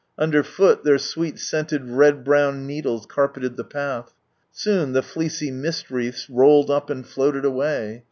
Underfoot their sweet scented red brown needles carpeted the path. Soon the fleecy mist wreaths rolled up and floated away.